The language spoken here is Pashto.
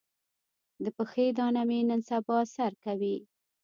د پښې دانه مې نن سبا کې سر کوي.